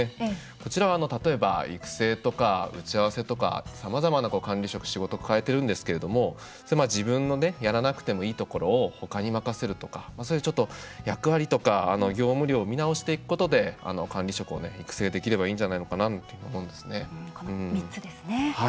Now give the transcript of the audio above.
こちらは例えば育成とか打ち合わせとかさまざまな管理職仕事を抱えてるんですけど自分のやらなくてもいいところを他に任せるとかそういう役割とか業務量を見直していくことで管理職を育成できればいいんじゃないかなと思うんです。